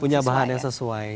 punya bahan yang sesuai